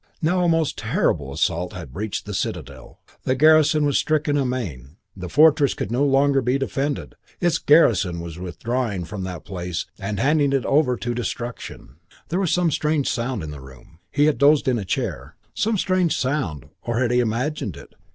Now a most terrible assault had breached the citadel. The garrison was stricken amain. The fortress no longer could be defended. Its garrison was withdrawing from that place and handing it over to destruction. IV There was some strange sound in the room. He had dozed in a chair. Some strange sound, or had he imagined it?